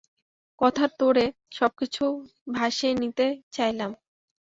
কথার তোড়ে সবকিছুই ভাসিয়ে নিতে চাইলাম।